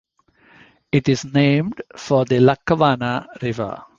It is named for the Lackawanna River.